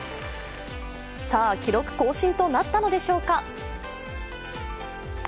記録更新となったのでしょうか。